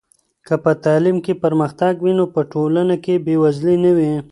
که په تعلیم کې پرمختګ وي نو په ټولنه کې بې وزلي نه وي.